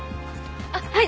あっはい。